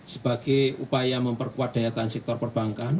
sebagai upaya memperkuat daya tahan sektor perbankan